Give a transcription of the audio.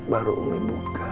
baru umi buka